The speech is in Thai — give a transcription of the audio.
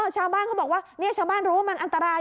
ชาวบ้านเขาบอกว่าชาวบ้านรู้ว่ามันอันตราย